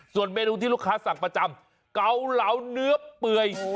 ส่วนเมนูที่ลูกค้าสั่งประจำเกาเหลาเนื้อเปื่อย